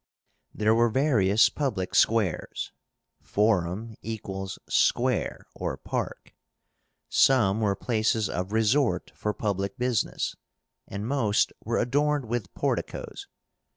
There were various public squares (forum = square or park). Some were places of resort for public business, and most were adorned with porticos.